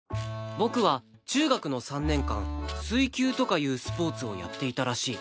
僕は中学の３年間水球とかいうスポーツをやっていたらしい